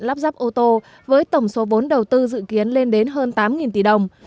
lắp ráp ô tô với tổng số vốn đầu tư dự kiến lên đến hơn tám tỷ đồng